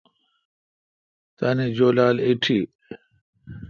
تانی جولال ایٹھی۔